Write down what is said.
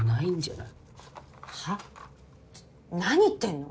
なに言ってんの。